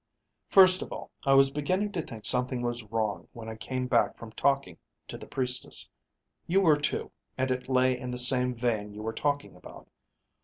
"First of all, I was beginning to think something was wrong when I came back from talking to the priestess. You were too, and it lay in the same vein you were talking about.